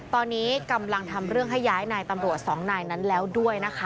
ตอนนี้กำลังทำเรื่องให้ย้ายนายตำรวจสองนายนั้นแล้วด้วยนะคะ